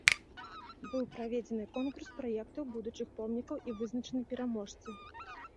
Быў праведзены конкурс праектаў будучых помнікаў і вызначаны пераможцы.